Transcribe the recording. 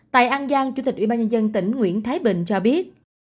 tại an giang chủ tịch ủy ban nhân dân tỉnh nguyễn thái bình cho biết